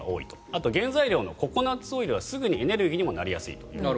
あと原材料のココナッツオイルはすぐにエネルギーにもなりやすい。